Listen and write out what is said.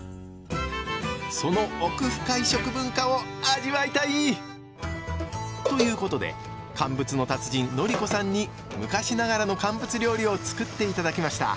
その奥深い食文化を味わいたい！ということで乾物の達人のり子さんに昔ながらの乾物料理をつくって頂きました。